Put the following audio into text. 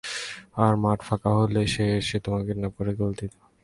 আর মাঠ ফাঁকা হলে, সে এসে তোমাকে কিডন্যাপ করে গোল দিয়ে দিবে।